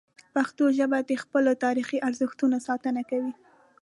پښتو ژبه د خپلو تاریخي ارزښتونو ساتنه کوي.